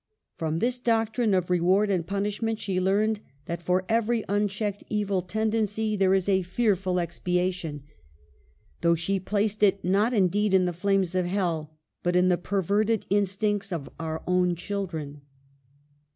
From this doctrine of re ward and punishment she learned that for every unchecked evil tendency there is a fearful expia tion ; though she placed it not indeed in the flames of hell, but in the perverted instincts of our own children.